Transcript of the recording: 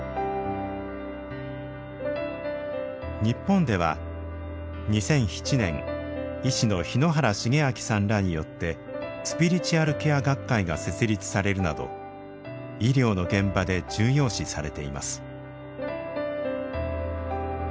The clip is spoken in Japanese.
日本では２００７年医師の日野原重明さんらによってスピリチュアルケア学会が設立されるなど医療の現場で重要視されています。